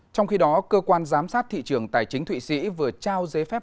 trong khi đó cơ quan giám sát thị trường tài chính thụy sĩ vừa trao giấy phép